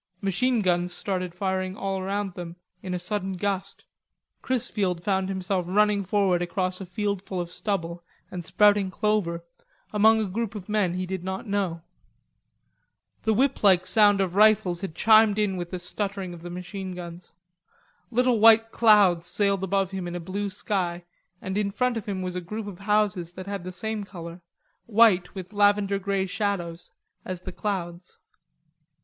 Machine guns started firing all around them in a sudden gust. Chrisfield found himself running forward across a field full of stubble and sprouting clover among a group of men he did not know. The whip like sound of rifles had chimed in with the stuttering of the machine guns. Little white clouds sailed above him in a blue sky, and in front of him was a group of houses that had the same color, white with lavender grey shadows, as the clouds.